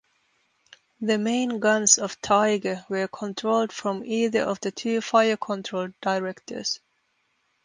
The main guns of "Tiger" were controlled from either of the two fire-control directors.